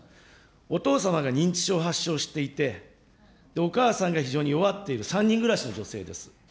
お父様が認知症を発症していて、お母さんが非常に弱っている、３人暮らしの女性です。